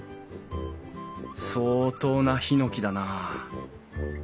相当なヒノキだなあ。